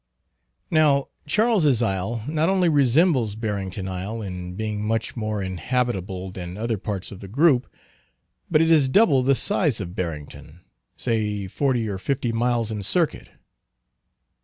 Now Charles's Isle not only resembles Barrington Isle in being much more inhabitable than other parts of the group, but it is double the size of Barrington, say forty or fifty miles in circuit.